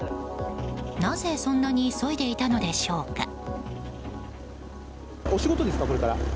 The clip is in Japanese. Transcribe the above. なぜ、そんなに急いでいたのでしょうか。